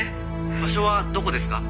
「場所はどこですか？」